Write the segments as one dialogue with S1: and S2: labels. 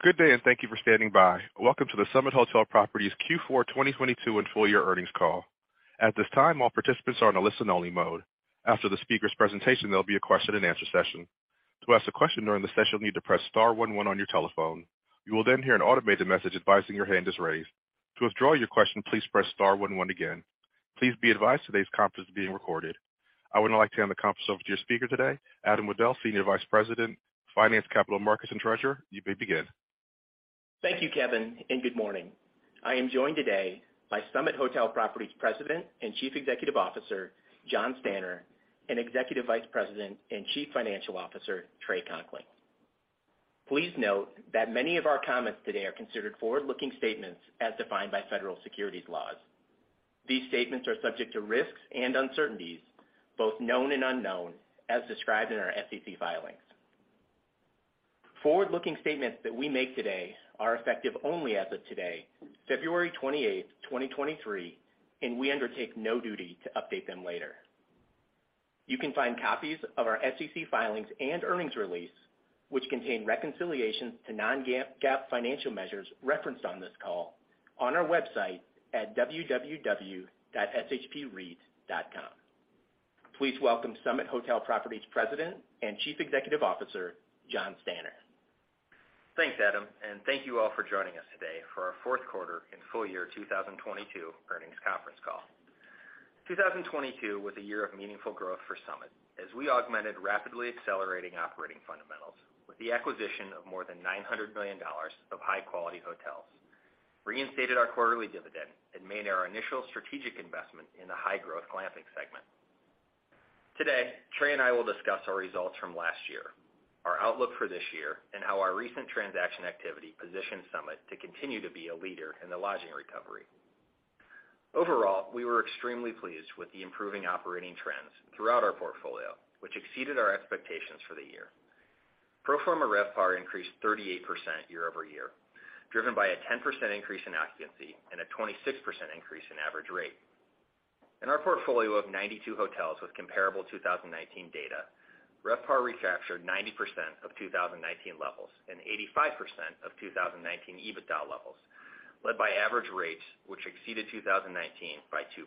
S1: Good day, thank you for standing by. Welcome to the Summit Hotel Properties Q4 2022 and full year earnings call. At this time, all participants are on a listen only mode. After the speaker's presentation, there'll be a question and answer session. To ask a question during the session, you'll need to press star one one on your telephone. You will hear an automated message advising your hand is raised. To withdraw your question, please press star one one again. Please be advised today's conference is being recorded. I would now like to hand the conference over to your speaker today, Adam Wudel, Senior Vice President, Finance, Capital Markets, and Treasurer. You may begin.
S2: Thank you, Kevin. Good morning. I am joined today by Summit Hotel Properties President and Chief Executive Officer, Jon Stanner, and Executive Vice President and Chief Financial Officer, Trey Conkling. Please note that many of our comments today are considered forward-looking statements as defined by federal securities laws. These statements are subject to risks and uncertainties, both known and unknown, as described in our SEC filings. Forward-looking statements that we make today are effective only as of today, February 28, 2023, and we undertake no duty to update them later. You can find copies of our SEC filings and earnings release, which contain reconciliations to non-GAAP, GAAP financial measures referenced on this call on our website at www.shpreit.com. Please welcome Summit Hotel Properties President and Chief Executive Officer, Jon Stanner.
S3: Thanks, Adam, thank you all for joining us today for our fourth quarter and full year 2022 earnings conference call. 2022 was a year of meaningful growth for Summit as we augmented rapidly accelerating operating fundamentals with the acquisition of more than $900 million of high quality hotels, reinstated our quarterly dividend and made our initial strategic investment in the high growth Glamping segment. Today, Trey and I will discuss our results from last year, our outlook for this year, how our recent transaction activity positioned Summit to continue to be a leader in the lodging recovery. Overall, we were extremely pleased with the improving operating trends throughout our portfolio, which exceeded our expectations for the year. Pro forma RevPAR increased 38% year-over-year, driven by a 10% increase in occupancy and a 26% increase in average rate. In our portfolio of 92 hotels with comparable 2019 data, RevPAR recaptured 90% of 2019 levels and 85% of 2019 EBITDA levels, led by average rates which exceeded 2019 by 2%.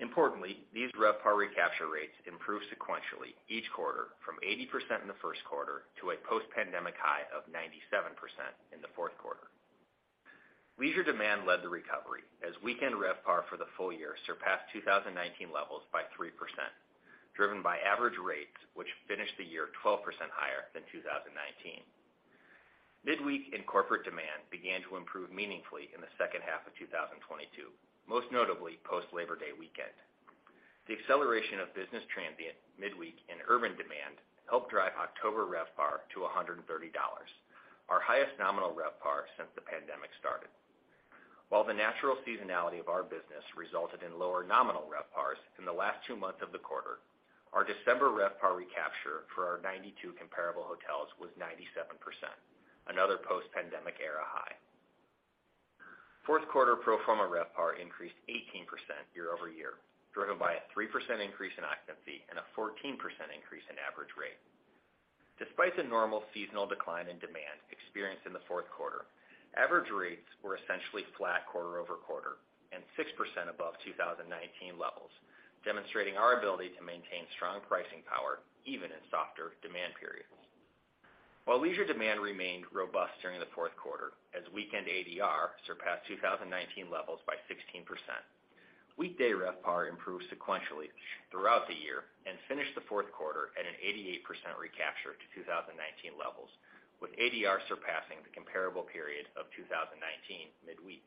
S3: Importantly, these RevPAR recapture rates improved sequentially each quarter from 80% in the first quarter to a post-pandemic high of 97% in the 4th quarter. Leisure demand led the recovery as weekend RevPAR for the full year surpassed 2019 levels by 3%, driven by average rates which finished the year 12% higher than 2019. Midweek and corporate demand began to improve meaningfully in the second half of 2022, most notably post Labor Day weekend. The acceleration of business transient, midweek and urban demand helped drive October RevPAR to $130, our highest nominal RevPAR since the pandemic started. While the natural seasonality of our business resulted in lower nominal RevPARs in the last 2 months of the quarter, our December RevPAR recapture for our 92 comparable hotels was 97%, another post-pandemic era high. Fourth quarter pro forma RevPAR increased 18% year-over-year, driven by a 3% increase in occupancy and a 14% increase in average rate. Despite the normal seasonal decline in demand experienced in the fourth quarter, average rates were essentially flat quarter-over-quarter and 6% above 2019 levels, demonstrating our ability to maintain strong pricing power even in softer demand periods. While leisure demand remained robust during the fourth quarter as weekend ADR surpassed 2019 levels by 16%, weekday RevPAR improved sequentially throughout the year and finished the fourth quarter at an 88% recapture to 2019 levels, with ADR surpassing the comparable period of 2019 midweek.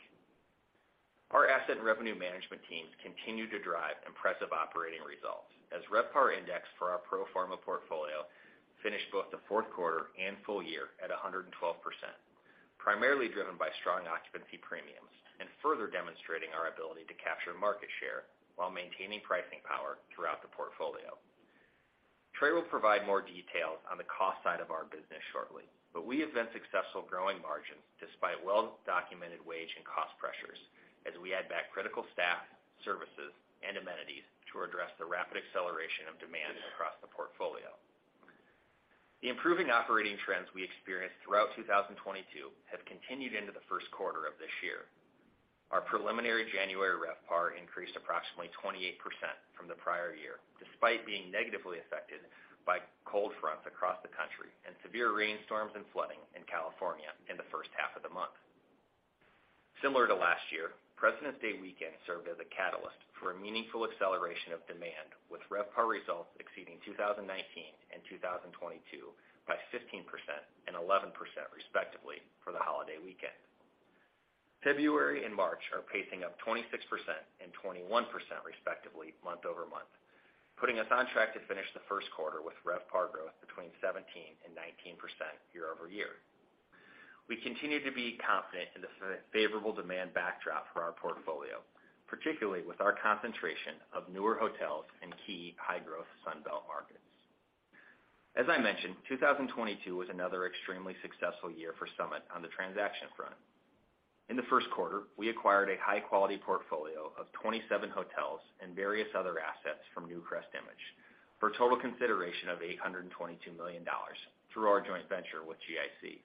S3: Our asset and revenue management teams continued to drive impressive operating results as RevPAR index for our pro forma portfolio finished both the fourth quarter and full year at 112%, primarily driven by strong occupancy premiums and further demonstrating our ability to capture market share while maintaining pricing power throughout the portfolio. Trey will provide more details on the cost side of our business shortly. We have been successful growing margins despite well-documented wage and cost pressures as we add back critical staff, services and amenities to address the rapid acceleration of demand across the portfolio. The improving operating trends we experienced throughout 2022 have continued into the first quarter of this year. Our preliminary January RevPAR increased approximately 28% from the prior year, despite being negatively affected by cold fronts across the country and severe rainstorms and flooding in California in the first half of the month. Similar to last year, Presidents' Day weekend served as a catalyst for a meaningful acceleration of demand, with RevPAR results exceeding 2019 and 2022 by 15% and 11% respectively for the holiday weekend. February and March are pacing up 26% and 21% respectively month-over-month, putting us on track to finish the first quarter with RevPAR growth between 17% and 19% year-over-year. We continue to be confident in the favorable demand backdrop for our portfolio, particularly with our concentration of newer hotels in key high growth Sun Belt markets. As I mentioned, 2022 was another extremely successful year for Summit on the transaction front. In the first quarter, we acquired a high quality portfolio of 27 hotels and various other assets from NewcrestImage for a total consideration of $822 million through our joint venture with GIC.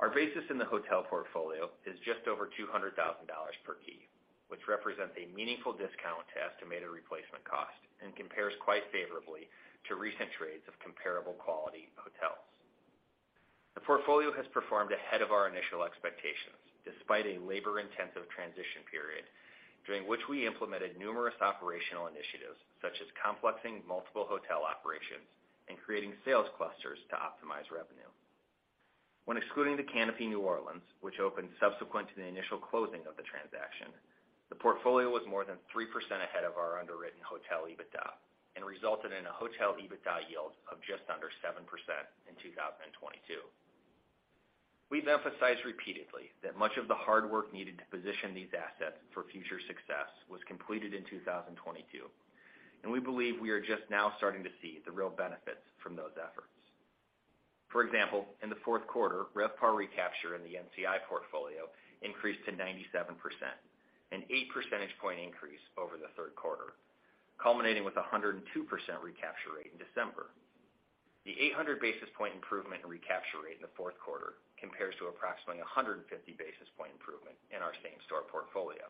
S3: Our basis in the hotel portfolio is just over $200,000 per key, which represents a meaningful discount to estimated replacement cost and compares quite favorably to recent trades of comparable quality hotels. The portfolio has performed ahead of our initial expectations, despite a labor-intensive transition period during which we implemented numerous operational initiatives, such as complexing multiple hotel operations and creating sales clusters to optimize revenue. When excluding the Canopy New Orleans, which opened subsequent to the initial closing of the transaction, the portfolio was more than 3% ahead of our underwritten hotel EBITDA and resulted in a hotel EBITDA yield of just under 7% in 2022. We've emphasized repeatedly that much of the hard work needed to position these assets for future success was completed in 2022. We believe we are just now starting to see the real benefits from those efforts. For example, in the fourth quarter, RevPAR recapture in the NCI portfolio increased to 97%, an 8 percentage point increase over the third quarter, culminating with a 102% recapture rate in December. The 800 basis point improvement in recapture rate in the fourth quarter compares to approximately 150 basis point improvement in our same-store portfolio.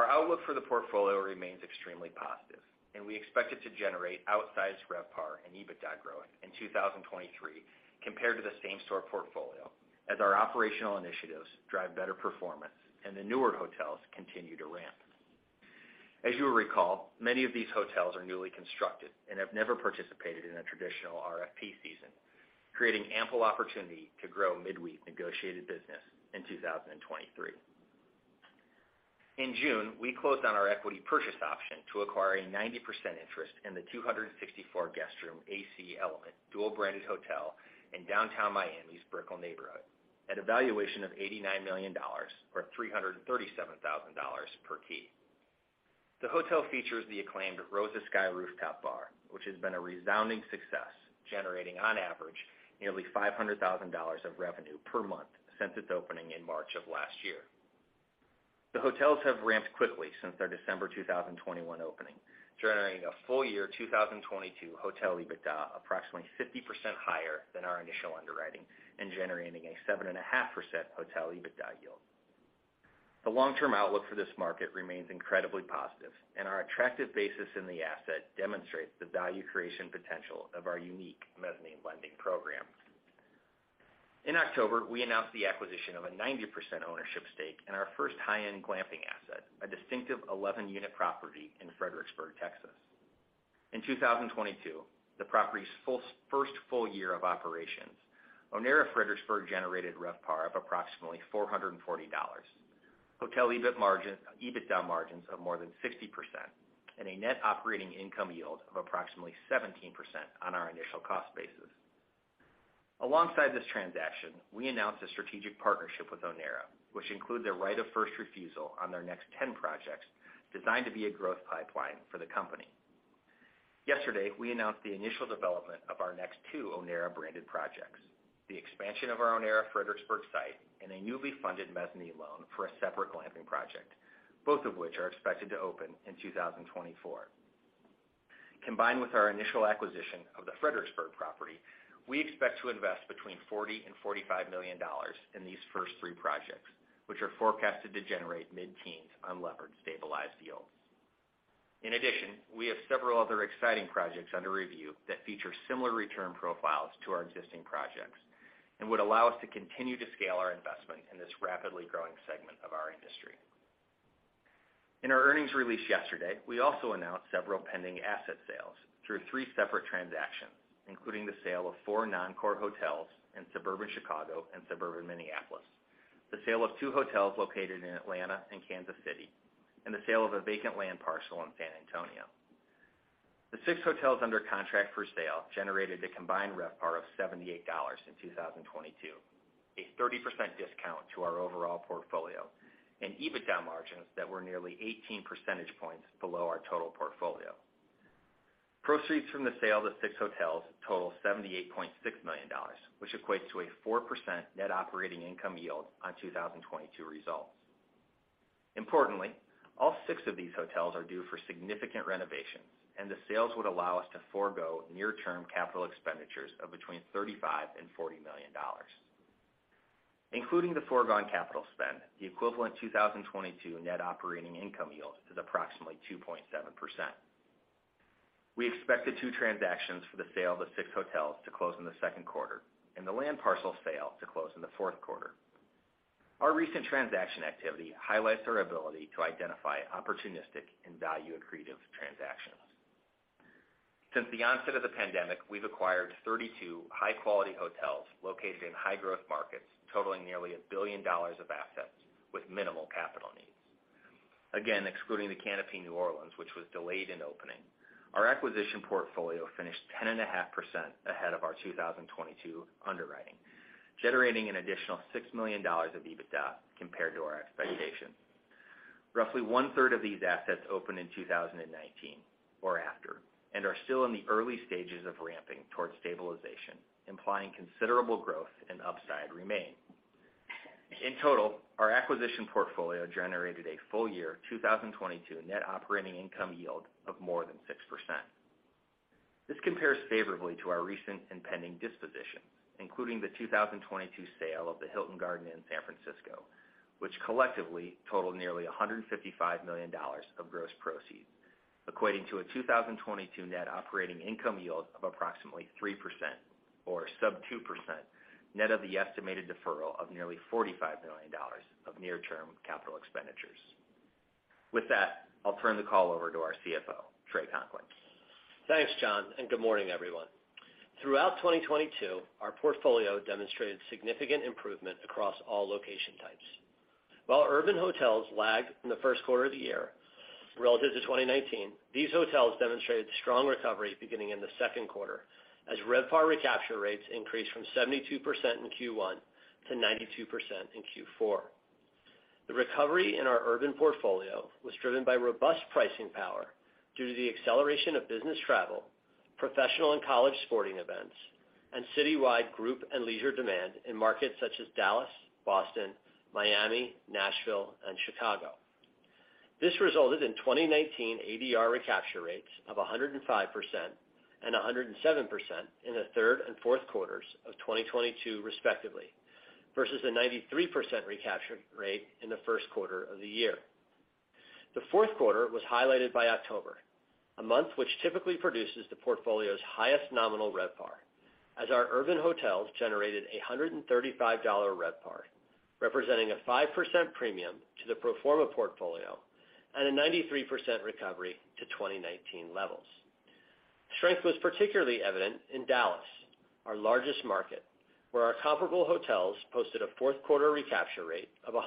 S3: Our outlook for the portfolio remains extremely positive, and we expect it to generate outsized RevPAR and EBITDA growth in 2023 compared to the same-store portfolio as our operational initiatives drive better performance and the newer hotels continue to ramp. As you'll recall, many of these hotels are newly constructed and have never participated in a traditional RFP season, creating ample opportunity to grow midweek negotiated business in 2023. In June, we closed on our equity purchase option to acquire a 90% interest in the 264 guestroom AC Hotel and Element dual-branded hotel in downtown Miami's Brickell neighborhood at a valuation of $89 million or $337,000 per key. The hotel features the acclaimed Rosa Sky rooftop bar, which has been a resounding success, generating on average, nearly $500,000 of revenue per month since its opening in March of last year. The hotels have ramped quickly since their December 2021 opening, generating a full year 2022 hotel EBITDA approximately 50% higher than our initial underwriting and generating a 7.5% hotel EBITDA yield. The long-term outlook for this market remains incredibly positive, and our attractive basis in the asset demonstrates the value creation potential of our unique mezzanine lending program. In October, we announced the acquisition of a 90% ownership stake in our first High-End Glamping Asset, a distinctive 11-unit property in Fredericksburg, Texas. In 2022, the property's first full year of operations, Onera Fredericksburg generated RevPAR of approximately $440, EBITDA margins of more than 60%, and a net operating income yield of approximately 17% on our initial cost basis. Alongside this transaction, we announced a strategic partnership with Onera, which includes a right of first refusal on their next 10 projects designed to be a growth pipeline for the company. Yesterday, we announced the initial development of our next two Onera branded projects, the expansion of our Onera Fredericksburg site and a newly funded mezzanine loan for a separate Glamping project, both of which are expected to open in 2024. Combined with our initial acquisition of the Fredericksburg property, we expect to invest between $40 million-$45 million in these first three projects, which are forecasted to generate mid-teens unlevered stabilized yields. In addition, we have several other exciting projects under review that feature similar return profiles to our existing projects and would allow us to continue to scale our investment in this rapidly growing segment of our industry. In our earnings release yesterday, we also announced several pending asset sales through 3 separate transactions, including the sale of 4 non-core hotels in suburban Chicago and suburban Minneapolis, the sale of 2 hotels located in Atlanta and Kansas City, and the sale of a vacant land parcel in San Antonio. The 6 hotels under contract for sale generated a combined RevPAR of $78 in 2022, a 30% discount to our overall portfolio, and EBITDA margins that were nearly 18 percentage points below our total portfolio. Proceeds from the sale of the 6 hotels total $78.6 million, which equates to a 4% net operating income yield on 2022 results. Importantly, all 6 of these hotels are due for significant renovations, and the sales would allow us to forgo near-term capital expenditures of between $35 million and $40 million. Including the foregone capital spend, the equivalent 2022 net operating income yield is approximately 2.7%. We expect the 2 transactions for the sale of the 6 hotels to close in the second quarter and the land parcel sale to close in the fourth quarter. Our recent transaction activity highlights our ability to identify opportunistic and value-accretive transactions. Since the onset of the pandemic, we've acquired 32 high-quality hotels located in high-growth markets, totaling nearly $1 billion of assets with minimal capital needs. Excluding Canopy by Hilton New Orleans, which was delayed in opening, our acquisition portfolio finished 10.5% ahead of our 2022 underwriting, generating an additional $6 million of EBITDA compared to our expectations. Roughly one third of these assets opened in 2019 or after and are still in the early stages of ramping towards stabilization, implying considerable growth and upside remain. In total, our acquisition portfolio generated a full year 2022 net operating income yield of more than 6%. This compares favorably to our recent impending disposition, including the 2022 sale of the Hilton Garden Inn, San Francisco, which collectively totaled nearly $155 million of gross proceeds, equating to a 2022 net operating income yield of approximately 3% or sub 2%, net of the estimated deferral of nearly $45 million of near-term capital expenditures. With that, I'll turn the call over to our CFO, Trey Conkling.
S4: Thanks, Jon. Good morning, everyone. Throughout 2022, our portfolio demonstrated significant improvement across all location types. While urban hotels lagged in the first quarter of the year relative to 2019, these hotels demonstrated strong recovery beginning in the second quarter as RevPAR recapture rates increased from 72% in Q1 to 92% in Q4. The recovery in our urban portfolio was driven by robust pricing power due to the acceleration of business travel, professional and college sporting events, and citywide group and leisure demand in markets such as Dallas, Boston, Miami, Nashville, and Chicago. This resulted in 2019 ADR recapture rates of 105% and 107% in the third and fourth quarters of 2022 respectively, versus a 93% recapture rate in the first quarter of the year. The fourth quarter was highlighted by October, a month which typically produces the portfolio's highest nominal RevPAR, as our urban hotels generated a $135 RevPAR, representing a 5% premium to the pro forma portfolio and a 93% recovery to 2019 levels. Strength was particularly evident in Dallas, our largest market, where our comparable hotels posted a fourth quarter recapture rate of 102%.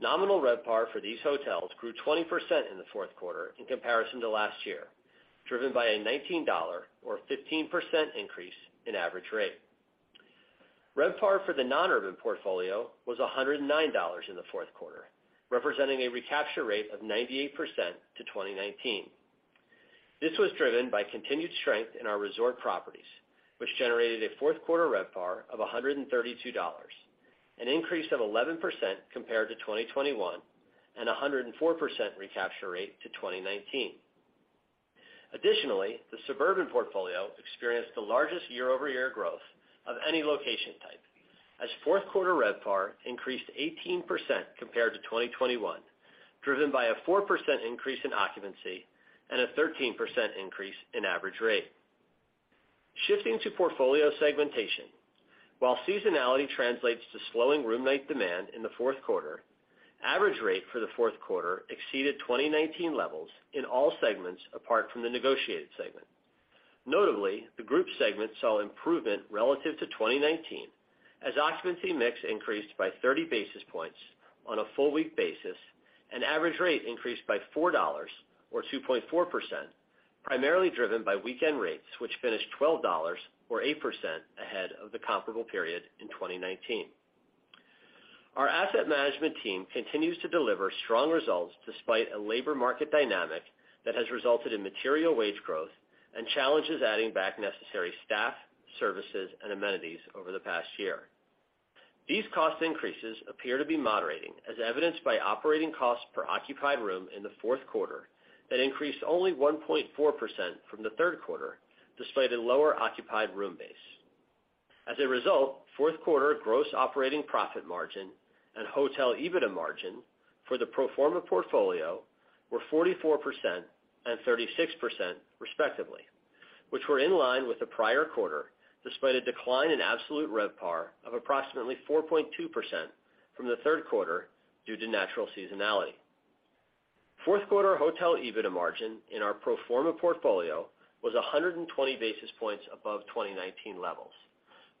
S4: Nominal RevPAR for these hotels grew 20% in the fourth quarter in comparison to last year, driven by a $19 or 15% increase in average rate. RevPAR for the non-urban portfolio was $109 in the fourth quarter, representing a recapture rate of 98% to 2019. This was driven by continued strength in our resort properties, which generated a fourth quarter RevPAR of $132, an increase of 11% compared to 2021 and a 104% recapture rate to 2019. Additionally, the suburban portfolio experienced the largest year-over-year growth of any location type as fourth quarter RevPAR increased 18% compared to 2021, driven by a 4% increase in occupancy and a 13% increase in average rate. Shifting to portfolio segmentation. While seasonality translates to slowing room night demand in the fourth quarter, average rate for the fourth quarter exceeded 2019 levels in all segments apart from the negotiated segment. Notably, the group segment saw improvement relative to 2019 as occupancy mix increased by 30 basis points on a full week basis and average rate increased by $4 or 2.4%, primarily driven by weekend rates, which finished $12 or 8% ahead of the comparable period in 2019. Our asset management team continues to deliver strong results despite a labor market dynamic that has resulted in material wage growth and challenges adding back necessary staff, services, and amenities over the past year. These cost increases appear to be moderating, as evidenced by operating costs per occupied room in the fourth quarter that increased only 1.4% from the third quarter, despite a lower occupied room base. fourth quarter gross operating profit margin and hotel EBITDA margin for the pro forma portfolio were 44% and 36% respectively, which were in line with the prior quarter despite a decline in absolute RevPAR of approximately 4.2% from the third quarter due to natural seasonality. Fourth quarter hotel EBITDA margin in our pro forma portfolio was 120 basis points above 2019 levels,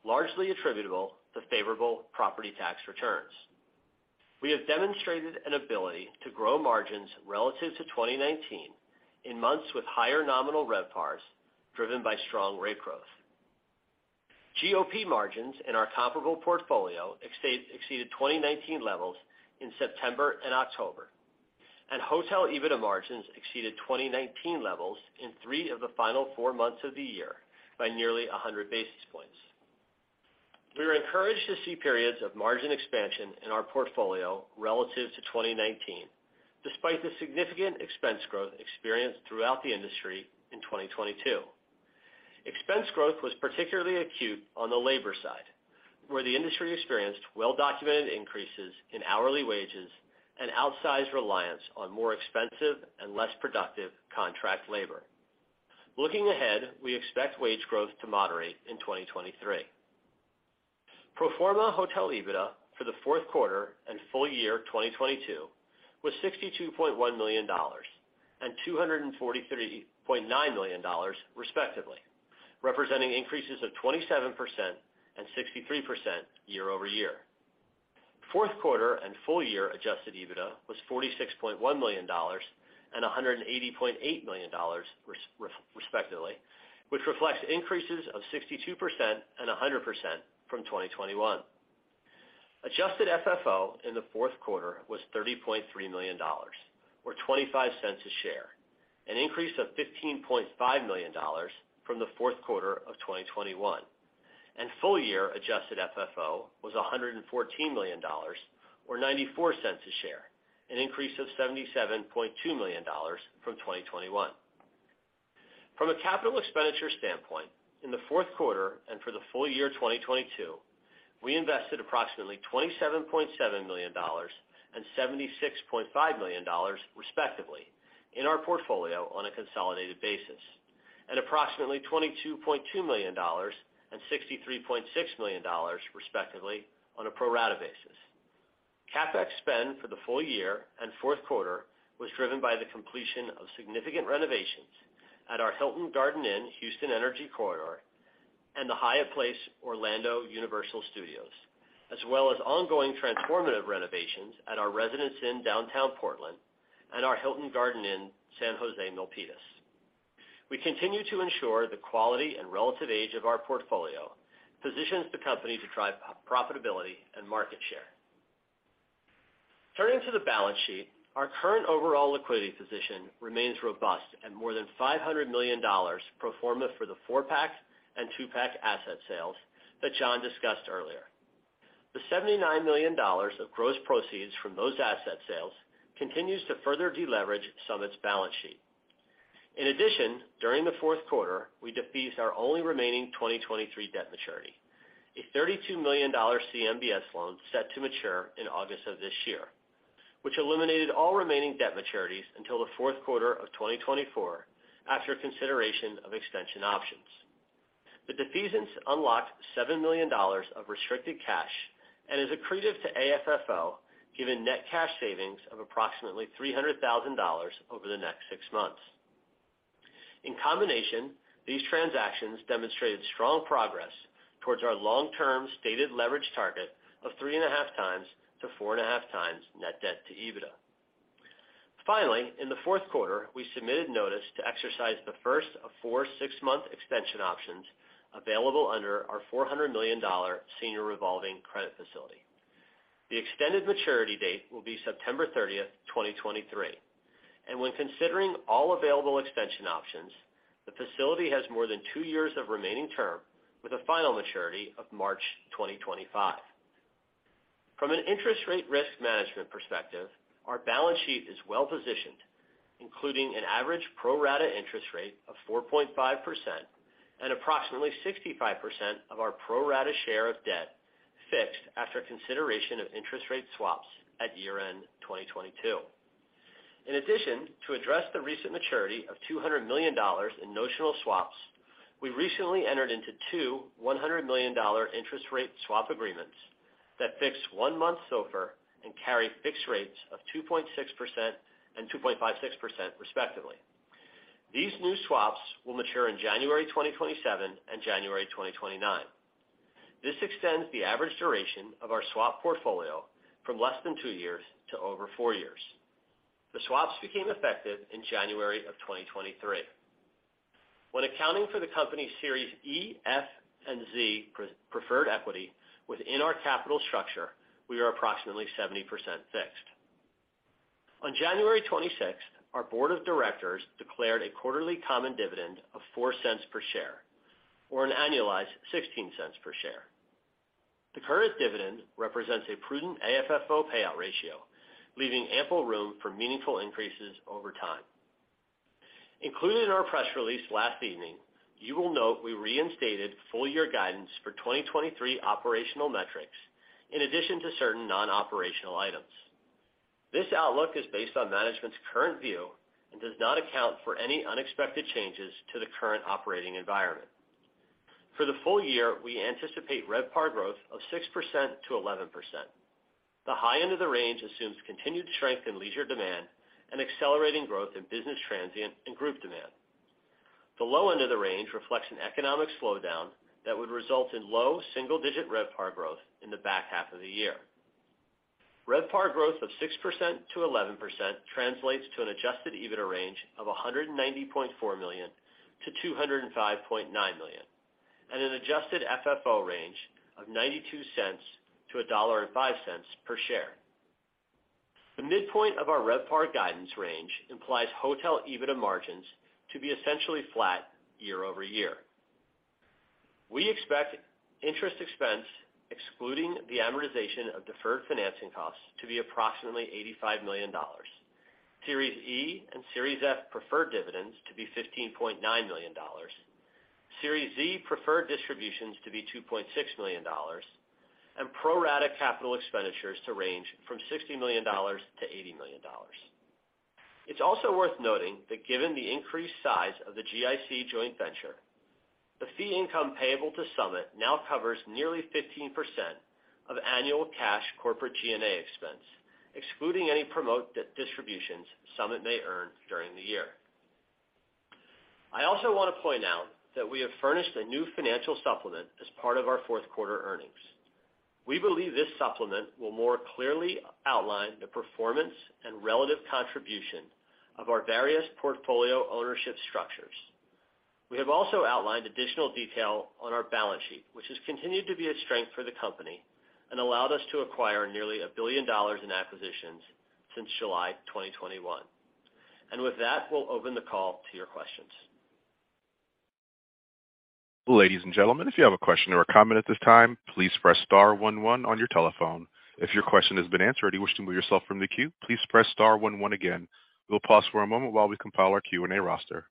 S4: largely attributable to favorable property tax returns. We have demonstrated an ability to grow margins relative to 2019 in months with higher nominal RevPARs driven by strong rate growth. GOP margins in our comparable portfolio exceeded 2019 levels in September and October, and hotel EBITDA margins exceeded 2019 levels in three of the final four months of the year by nearly 100 basis points. We are encouraged to see periods of margin expansion in our portfolio relative to 2019, despite the significant expense growth experienced throughout the industry in 2022. Expense growth was particularly acute on the labor side, where the industry experienced well-documented increases in hourly wages and outsized reliance on more expensive and less productive contract labor. Looking ahead, we expect wage growth to moderate in 2023. Pro forma hotel EBITDA for the fourth quarter and full year 2022 was $62.1 million and $243.9 million respectively, representing increases of 27% and 63% year-over-year. Fourth quarter and full year adjusted EBITDA was $46.1 million and $180.8 million respectively, which reflects increases of 62% and 100% from 2021. Adjusted FFO in the fourth quarter was $30.3 million or $0.25 a share, an increase of $15.5 million from the fourth quarter of 2021. Full year Adjusted FFO was $114 million or $0.94 a share, an increase of $77.2 million from 2021. From a capital expenditure standpoint, in the fourth quarter and for the full year 2022, we invested approximately $27.7 million and $76.5 million respectively in our portfolio on a consolidated basis, and approximately $22.2 million and $63.6 million respectively on a pro rata basis. CapEx spend for the full year and fourth quarter was driven by the completion of significant renovations at our Hilton Garden Inn, Houston Energy Corridor, and the Hyatt Place Across from Orlando Universal Resort, as well as ongoing transformative renovations at our Residence Inn downtown Portland and our Hilton Garden Inn San Jose Milpitas. We continue to ensure the quality and relative age of our portfolio positions the company to drive profitability and market share. Turning to the balance sheet, our current overall liquidity position remains robust at more than $500 million pro forma for the 4-pack and 2-pack asset sales that Jon discussed earlier. The $79 million of gross proceeds from those asset sales continues to further deleverage Summit's balance sheet. In addition, during the fourth quarter, we defeased our only remaining 2023 debt maturity, a $32 million CMBS loan set to mature in August of this year, which eliminated all remaining debt maturities until the fourth quarter of 2024 after consideration of extension options. The defeasance unlocked $7 million of restricted cash and is accretive to AFFO, given net cash savings of approximately $300,000 over the next six months. In combination, these transactions demonstrated strong progress towards our long-term stated leverage target of 3.5x-4.5x Net Debt to EBITDA. Finally, in the fourth quarter, we submitted notice to exercise the first of four six-month extension options available under our $400 million senior revolving credit facility. The extended maturity date will be September 30th, 2023, and when considering all available extension options, the facility has more than 2 years of remaining term with a final maturity of March 2025. From an interest rate risk management perspective, our balance sheet is well positioned, including an average pro rata interest rate of 4.5% and approximately 65% of our pro rata share of debt fixed after consideration of interest rate swaps at year-end 2022. In addition, to address the recent maturity of $200 million in notional swaps, we recently entered into 2 $100 million interest rate swap agreements that fix one month SOFR and carry fixed rates of 2.6% and 2.56% respectively. These new swaps will mature in January 2027 and January 2029. This extends the average duration of our swap portfolio from less than 2 years to over 4 years. The swaps became effective in January 2023. When accounting for the company Series E, F, and Z preferred equity within our capital structure, we are approximately 70% fixed. On January 26th, our Board of Directors declared a quarterly common dividend of $0.04 per share, or an annualized $0.16 per share. The current dividend represents a prudent AFFO payout ratio, leaving ample room for meaningful increases over time. Included in our press release last evening, you will note we reinstated full year guidance for 2023 operational metrics in addition to certain non-operational items. This outlook is based on management's current view and does not account for any unexpected changes to the current operating environment. For the full year, we anticipate RevPAR growth of 6%-11%. The high end of the range assumes continued strength in leisure demand and accelerating growth in business transient and group demand. The low end of the range reflects an economic slowdown that would result in low single-digit RevPAR growth in the back half of the year. RevPAR growth of 6%-11% translates to an adjusted EBITDA range of $190.4 million-$205.9 million, and an adjusted FFO range of $0.92-$1.05 per share. The midpoint of our RevPAR guidance range implies hotel EBITDA margins to be essentially flat year-over-year. We expect interest expense, excluding the amortization of deferred financing costs, to be approximately $85 million, Series E and Series F preferred dividends to be $15.9 million, Series Z preferred distributions to be $2.6 million, pro rata capital expenditures to range from $60 million-$80 million. It's also worth noting that given the increased size of the GIC joint venture, the fee income payable to Summit now covers nearly 15% of annual cash corporate G&A expense, excluding any promote de-distributions Summit may earn during the year. I also want to point out that we have furnished a new financial supplement as part of our fourth quarter earnings. We believe this supplement will more clearly outline the performance and relative contribution of our various portfolio ownership structures. We have also outlined additional detail on our balance sheet, which has continued to be a strength for the company and allowed us to acquire nearly $1 billion in acquisitions since July 2021. With that, we'll open the call to your questions.
S1: Ladies and gentlemen, if you have a question or a comment at this time, please press star one one on your telephone. If your question has been answered and you wish to move yourself from the queue, please press star one one again. We'll pause for a moment while we compile our Q&A roster.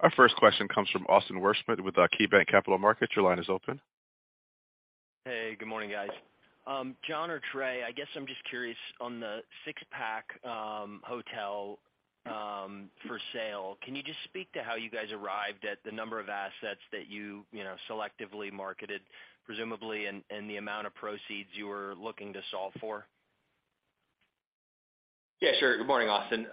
S1: Our first question comes from Austin Wurschmidt with KeyBanc Capital Markets. Your line is open.
S5: Hey, good morning, guys. Jon or Trey, I guess I'm just curious on the six-pack hotel for sale. Can you just speak to how you guys arrived at the number of assets that you know, selectively marketed, presumably, and the amount of proceeds you were looking to solve for?
S3: Yeah, sure. Good morning, Austin.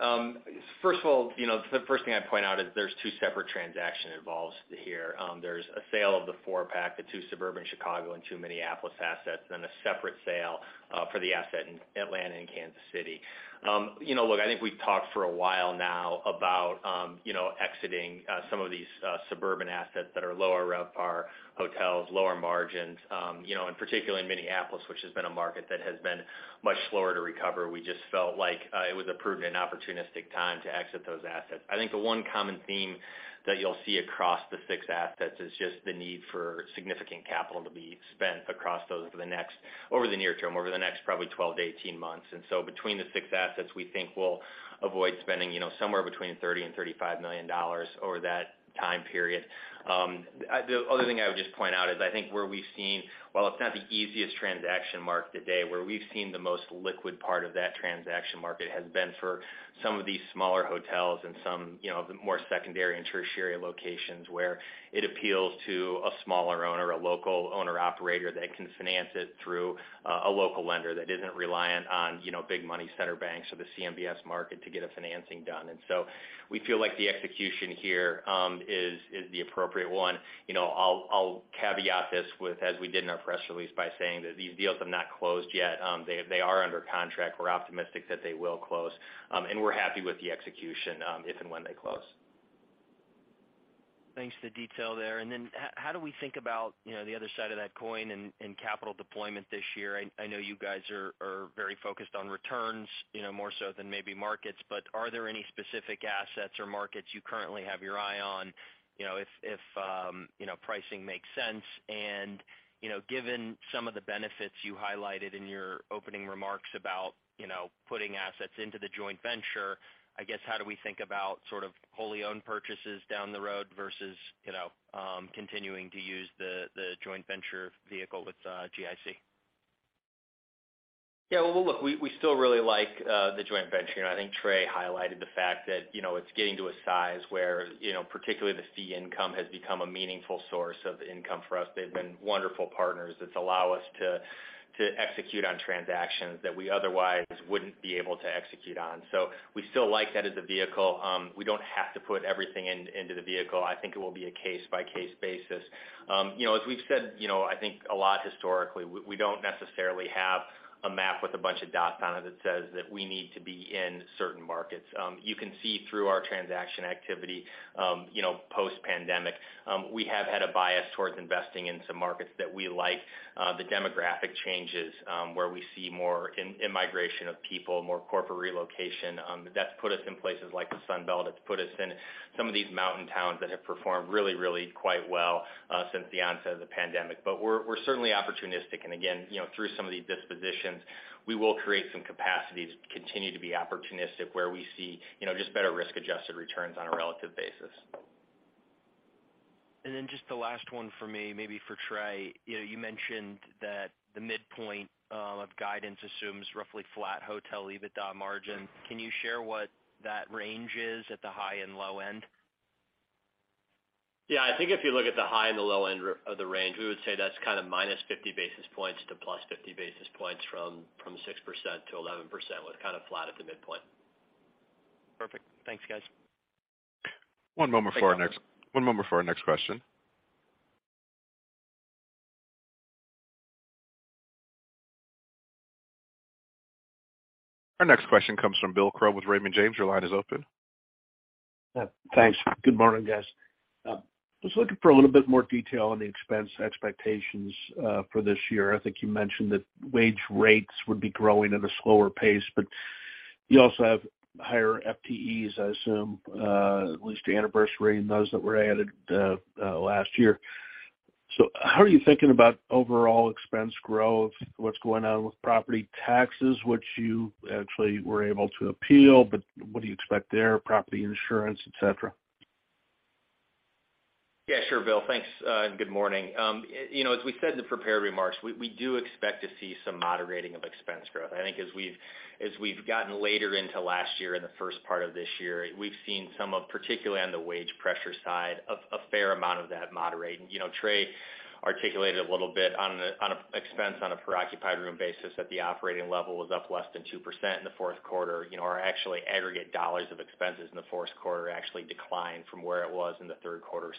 S3: First of all, you know, the first thing I'd point out is there's two separate transaction involved here. There's a sale of the four-pack, the two suburban Chicago and two Minneapolis assets, then a separate sale for the asset in Atlanta and Kansas City. You know, look, I think we've talked for a while now about, you know, exiting some of these suburban assets that are lower RevPAR hotels, lower margins, you know, and particularly in Minneapolis, which has been a market that has been much slower to recover. We just felt like it was a prudent and opportunistic time to exit those assets. I think the one common theme that you'll see across the six assets is just the need for significant capital to be spent across those over the near term, over the next probably 12-18 months. Between the six assets, we think we'll avoid spending, you know, somewhere between $30 million and $35 million over that time period. The other thing I would just point out is while it's not the easiest transaction market today, where we've seen the most liquid part of that transaction market has been for some of these smaller hotels and some, you know, the more secondary and tertiary locations where it appeals to a smaller owner, a local owner-operator that can finance it through a local lender that isn't reliant on, you know, big money center banks or the CMBS market to get a financing done. We feel like the execution here is the appropriate one. You know, I'll caveat this with, as we did in our press release, by saying that these deals have not closed yet. They are under contract. We're optimistic that they will close, and we're happy with the execution, if and when they close.
S5: Thanks for the detail there. How do we think about, you know, the other side of that coin in capital deployment this year? I know you guys are very focused on returns, you know, more so than maybe markets, but are there any specific assets or markets you currently have your eye on, you know, if, you know, pricing makes sense? Given some of the benefits you highlighted in your opening remarks about, you know, putting assets into the joint venture, I guess, how do we think about sort of wholly owned purchases down the road versus, you know, continuing to use the joint venture vehicle with GIC?
S3: Well, look, we still really like the joint venture, and I think Trey highlighted the fact that, you know, it's getting to a size where, you know, particularly the fee income has become a meaningful source of income for us. They've been wonderful partners that allow us to execute on transactions that we otherwise wouldn't be able to execute on. We still like that as a vehicle. We don't have to put everything in, into the vehicle. I think it will be a case-by-case basis. You know, as we've said, you know, I think a lot historically, we don't necessarily have a map with a bunch of dots on it that says that we need to be in certain markets. You can see through our transaction activity, you know, post-pandemic, we have had a bias towards investing in some markets that we like, the demographic changes, where we see more immigration of people, more corporate relocation. That's put us in places like the Sun Belt. It's put us in some of these mountain towns that have performed really quite well since the onset of the pandemic. We're certainly opportunistic. Again, you know, through some of these dispositions, we will create some capacity to continue to be opportunistic where we see, you know, just better risk-adjusted returns on a relative basis.
S5: Just the last one for me, maybe for Trey. You know, you mentioned that the midpoint of guidance assumes roughly flat hotel EBITDA margin. Can you share what that range is at the high and low end?
S4: Yeah. I think if you look at the high and the low end of the range, we would say that's kind of minus 50 basis points to plus 50 basis points from 6%-11%, with kind of flat at the midpoint.
S5: Perfect. Thanks, guys.
S1: One moment for our next. One moment for our next question. Our next question comes from Bill Crow with Raymond James. Your line is open.
S6: Thanks. Good morning, guys. I was looking for a little bit more detail on the expense expectations for this year. I think you mentioned that wage rates would be growing at a slower pace, but you also have higher FTEs, I assume, at least to anniversary and those that were added last year. How are you thinking about overall expense growth? What's going on with property taxes, which you actually were able to appeal, but what do you expect there, property insurance, et cetera?
S3: Yeah, sure Bill. Thanks, and good morning. You know, as we said in the prepared remarks, we do expect to see some moderating of expense growth. I think as we've, as we've gotten later into last year and the first part of this year, we've seen some of, particularly on the wage pressure side, a fair amount of that moderate. You know, Trey Conkling articulated a little bit on a expense on a per occupied room basis that the operating level was up less than 2% in the fourth quarter, you know, our actually aggregate dollars of expenses in the fourth quarter actually declined from where it was in the third quarter.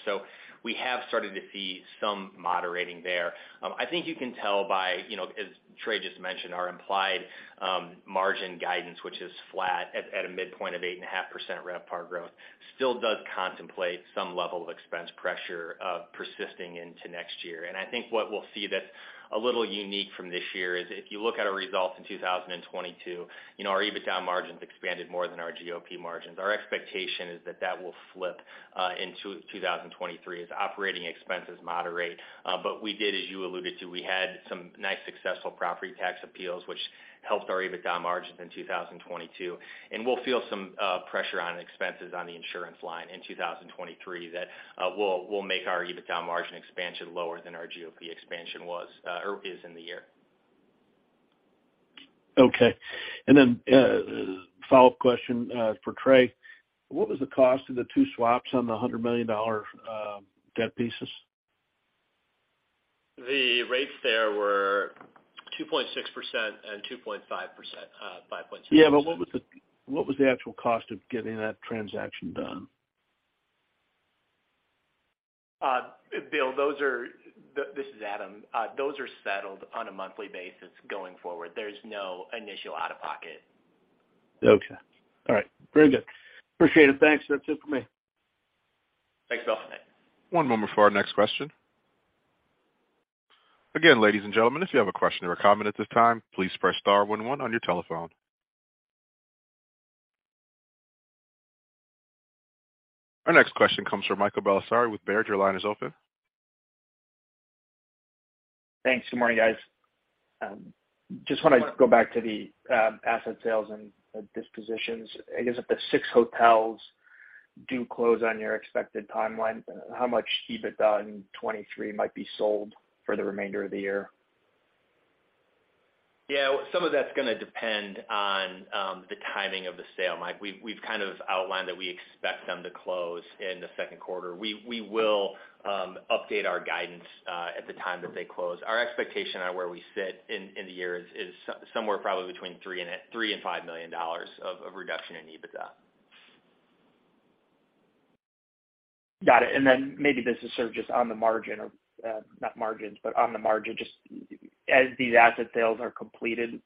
S3: We have started to see some moderating there. I think you can tell by, you know, as Trey just mentioned, our implied margin guidance, which is flat at a midpoint of 8.5% RevPAR growth, still does contemplate some level of expense pressure persisting into next year. I think what we'll see that's a little unique from this year is if you look at our results in 2022, you know, our EBITDA margins expanded more than our GOP margins. Our expectation is that that will flip into 2023 as operating expenses moderate. We did, as you alluded to, we had some nice successful property tax appeals which helped our EBITDA margins in 2022. We'll feel some pressure on expenses on the insurance line in 2023 that will make our EBITDA margin expansion lower than our GOP expansion was or is in the year.
S6: Okay. Follow-up question, for Trey. What was the cost of the 2 swaps on the $100 million debt pieces?
S4: The rates there were 2.6% and 2.5%, 5.6%.
S6: Yeah, what was the actual cost of getting that transaction done?
S2: Bill, this is Adam. Those are settled on a monthly basis going forward. There's no initial out-of-pocket.
S6: Okay. All right. Very good. Appreciate it. Thanks. That's it for me.
S2: Thanks, Bill.
S1: One moment for our next question. Again, ladies and gentlemen, if you have a question or a comment at this time, please press star one one on your telephone. Our next question comes from Michael Bellisario with Baird. Your line is open.
S7: Thanks. Good morning, guys. Just wanna go back to the asset sales and dispositions. I guess if the six hotels do close on your expected timeline, how much EBITDA in 2023 might be sold for the remainder of the year?
S3: Yeah. Some of that's going to depend on the timing of the sale, Mike. We've kind of outlined that we expect them to close in the second quarter. We will update our guidance at the time that they close. Our expectation on where we sit in the year is somewhere probably between $3 million and $5 million of reduction in EBITDA.
S7: Got it. Maybe this is sort of just on the margin or, not margins, but on the margin, just as these asset sales are completed,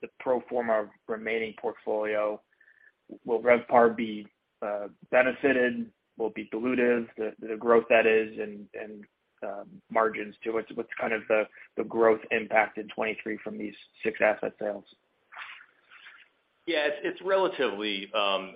S7: the pro forma remaining portfolio, will RevPAR be benefited? Will it be dilutive, the growth that is, and margins too? What's kind of the growth impact in 2023 from these six asset sales?
S3: Yeah, it's relatively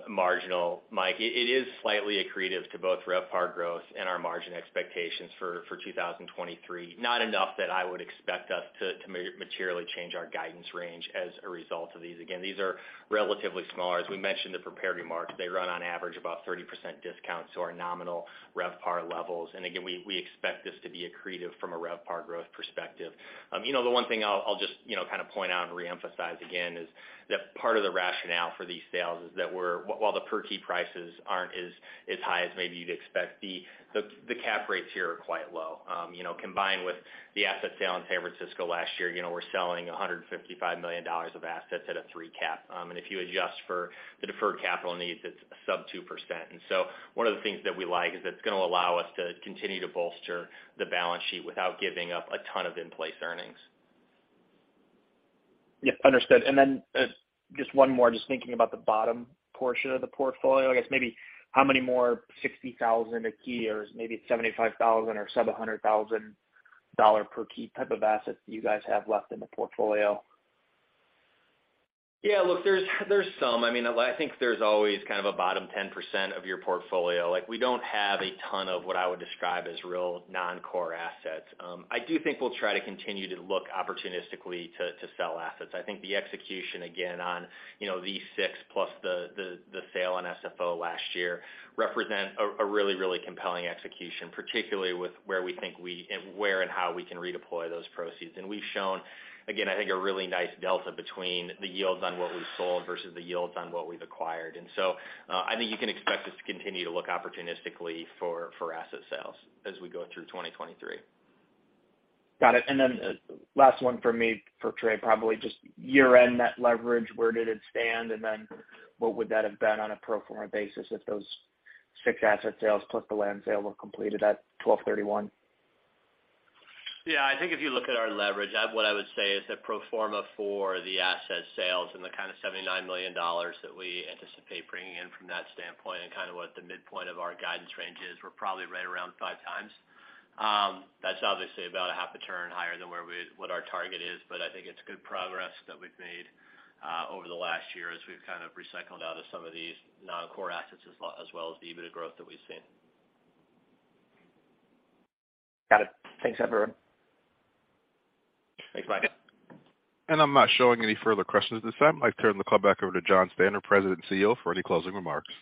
S3: marginal, Mike. It is slightly accretive to both RevPAR growth and our margin expectations for 2023. Not enough that I would expect us to materially change our guidance range as a result of these. Again, these are relatively smaller. As we mentioned in the prepared remarks, they run on average about 30% discount to our nominal RevPAR levels. Again, we expect this to be accretive from a RevPAR growth perspective. You know, the one thing I'll just, you know, kind of point out and reemphasize again is that part of the rationale for these sales is that while the per key prices aren't as high as maybe you'd expect, the cap rates here are quite low. you know, combined with the asset sale in San Francisco last year, you know, we're selling $155 million of assets at a 3 cap. If you adjust for the deferred capital needs, it's sub 2%. One of the things that we like is it's gonna allow us to continue to bolster the balance sheet without giving up a ton of in-place earnings.
S7: Yeah, understood. Just one more, just thinking about the bottom portion of the portfolio. I guess maybe how many more $60,000 a key or maybe $75,000 or sub $100,000 per key type of assets do you guys have left in the portfolio?
S3: Yeah, look, there's some. I mean, I think there's always kind of a bottom 10% of your portfolio. Like, we don't have a ton of what I would describe as real non-core assets. I do think we'll try to continue to look opportunistically to sell assets. I think the execution again on, you know, these 6 plus the sale on SFO last year represent a really, really compelling execution, particularly with where we think where and how we can redeploy those proceeds. We've shown, again, I think, a really nice delta between the yields on what we've sold versus the yields on what we've acquired. I think you can expect us to continue to look opportunistically for asset sales as we go through 2023.
S7: Got it. Last one for me, for Trey, probably just year-end Net Debt to EBITDA, where did it stand? What would that have been on a pro forma basis if those six asset sales plus the land sale were completed at 12/31?
S4: I think if you look at our leverage, what I would say is that pro forma for the asset sales and the kind of $79 million that we anticipate bringing in from that standpoint and kind of what the midpoint of our guidance range is, we're probably right around 5x. That's obviously about a half a turn higher than what our target is, but I think it's good progress that we've made over the last year as we've kind of recycled out of some of these non-core assets as well, as well as the EBITDA growth that we've seen.
S7: Got it. Thanks, everyone.
S4: Thanks, Mike.
S1: I'm not showing any further questions at this time. I'd turn the call back over to Jon Stanner, President and CEO, for any closing remarks.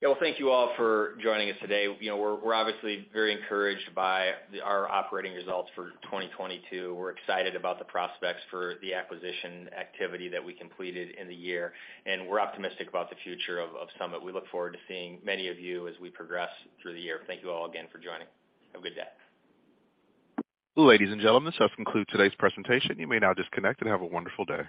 S3: Yeah. Well, thank you all for joining us today. You know, we're obviously very encouraged by our operating results for 2022. We're excited about the prospects for the acquisition activity that we completed in the year. We're optimistic about the future of Summit. We look forward to seeing many of you as we progress through the year. Thank you all again for joining. Have a good day.
S1: Ladies and gentlemen, this will conclude today's presentation. You may now disconnect and have a wonderful day.